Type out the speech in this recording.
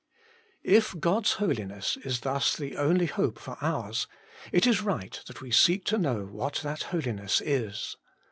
If God's Holiness is thus the only hope for ours, it is right that we seek to know what that Holiness is.